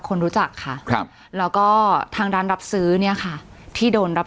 คนรู้จักค่ะครับแล้วก็ทางร้านรับซื้อเนี่ยค่ะที่โดนรับ